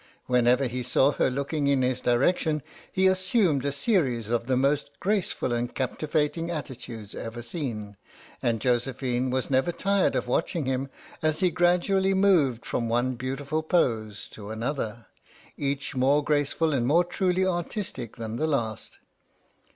Whenever he saw her looking in his direc tion, he assumed a series of the most graceful and captivating attitudes ever seen, and Josephine was never tired of watching him as he gradually moved from one beautiful pose to another — each more graceful and more truly artistic than the last.